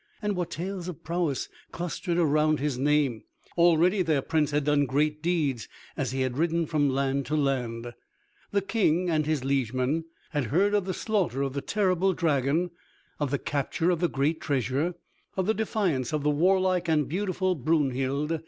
And what tales of prowess clustered around his name! Already their Prince had done great deeds as he had ridden from land to land. The King and his liegemen had heard of the slaughter of the terrible dragon, of the capture of the great treasure, of the defiance of the warlike and beautiful Brunhild.